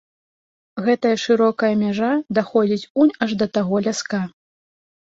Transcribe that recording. Гэтая шырокая мяжа даходзіць унь аж да таго ляска.